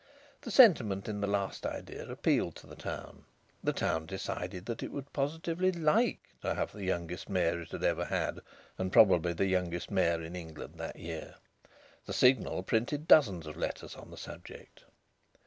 The sentiment in the last idea appealed to the town. The town decided that it would positively like to have the youngest mayor it had ever had, and probably the youngest mayor in England that year. The Signal printed dozens of letters on the subject.